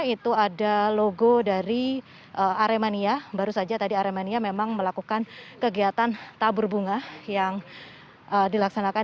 itu ada logo dari aremania baru saja tadi aremania memang melakukan kegiatan tabur bunga yang dilaksanakan